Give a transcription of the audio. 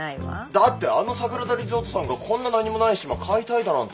だってあの桜田リゾートさんがこんな何もない島買いたいだなんて。